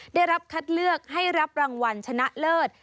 ได้รับคัดเลือกให้รับรางวัลชนะเลิศ